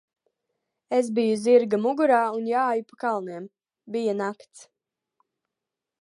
Es biju zirga mugurā un jāju pa kalniem. Bija nakts.